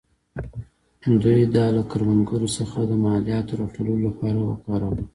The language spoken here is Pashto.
دوی دا له کروندګرو څخه د مالیاتو راټولولو لپاره وکاراوه.